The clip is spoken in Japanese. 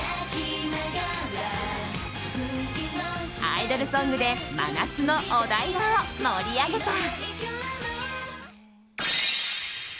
アイドルソングで真夏のお台場を盛り上げた。